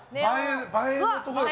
映えのとこだ